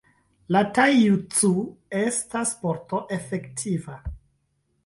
La Tai-Jutsu estas sporto efektiva.